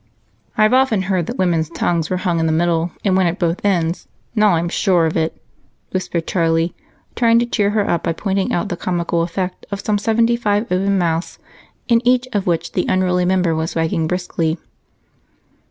"I've often heard that women's tongues were hung in the middle and went at both ends now I'm sure of it," whispered Charlie, trying to cheer her up by pointing out the comical effect of some seventy five open mouths in each of which the unruly member was wagging briskly.